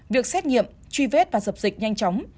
việc xét nghiệm truy vết và dập dịch nhanh chóng